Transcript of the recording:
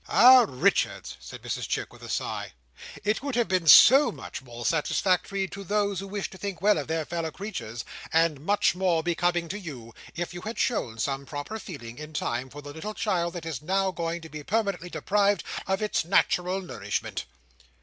"Ah, Richards!" said Mrs Chick, with a sigh. "It would have been much more satisfactory to those who wish to think well of their fellow creatures, and much more becoming in you, if you had shown some proper feeling, in time, for the little child that is now going to be prematurely deprived of its natural nourishment.